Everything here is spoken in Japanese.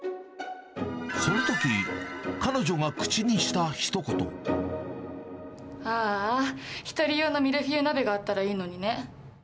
そのとき、彼女が口にしたひあーあ、１人用のミルフィーユ鍋があったらいいのにね。